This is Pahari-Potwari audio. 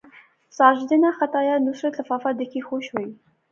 ساجدے ناں خط آیا، نصرت لفافہ دیکھی خوش ہوئی